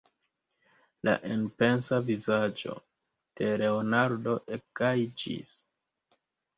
La enpensa vizaĝo de Leonardo ekgajiĝis.